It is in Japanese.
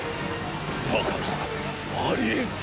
馬鹿なありえん！